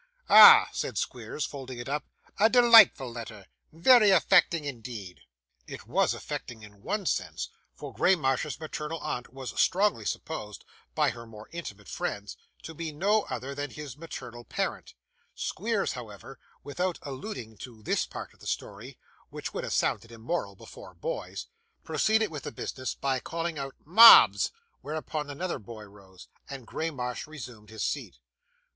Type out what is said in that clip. Ah!' said Squeers, folding it up, 'a delightful letter. Very affecting indeed.' It was affecting in one sense, for Graymarsh's maternal aunt was strongly supposed, by her more intimate friends, to be no other than his maternal parent; Squeers, however, without alluding to this part of the story (which would have sounded immoral before boys), proceeded with the business by calling out 'Mobbs,' whereupon another boy rose, and Graymarsh resumed his seat.